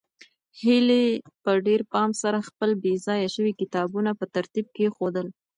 هیلې په ډېر پام سره خپل بې ځایه شوي کتابونه په ترتیب کېښودل.